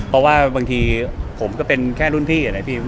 เพราะว่าบางทีผมก็เป็นแค่รุ่นพี่นะพี่